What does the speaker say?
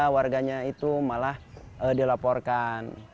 warganya itu malah dilaporkan